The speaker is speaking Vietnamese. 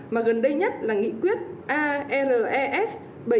mà gần đây nhất là nghị quyết ares bảy trăm ba mươi tám năm trăm hai mươi năm